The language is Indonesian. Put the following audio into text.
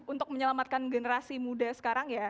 untuk menyelamatkan generasi muda sekarang ya